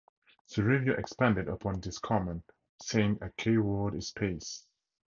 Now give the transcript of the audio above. The review expanded upon this comment, saying, A key word is pace.